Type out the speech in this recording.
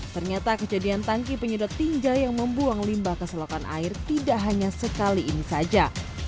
ternyata kejadian tangki penyedot tinja yang membuang limbah ke selokan air tidak hanya sekali ini saja